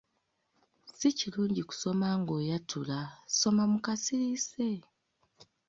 Si kirungi kusoma ng'oyatula, soma mu kasirise.